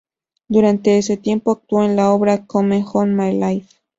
Durante ese tiempo, actuó en la obra "Come on, my life!